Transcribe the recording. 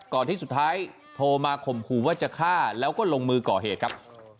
ที่สุดท้ายโทรมาข่มขู่ว่าจะฆ่าแล้วก็ลงมือก่อเหตุครับ